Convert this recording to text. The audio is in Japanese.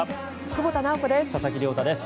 久保田直子です。